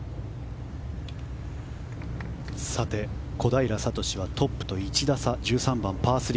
小平智はトップと１打差１３番、パー３。